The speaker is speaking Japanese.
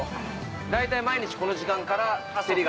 大体毎日この時間からセリが？